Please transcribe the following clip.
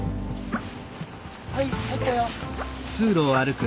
はい入ったよ。